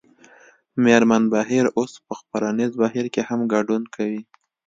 مېرمن بهیر اوس په خپرنیز بهیر کې هم ګډون کوي